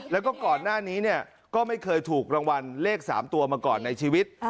แล้วก็ก่อนหน้านี้เนี่ยก็ไม่เคยถูกรางวัลเลข๓ตัวมาก่อนในชีวิต